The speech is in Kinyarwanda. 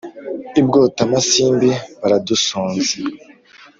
ibwotamasimbi baradusonze